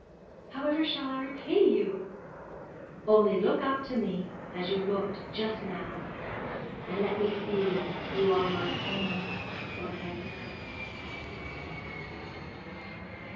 'However shall I repay you?' 'Only look up to me as you looked just now, and let me feel you are my own for ever.'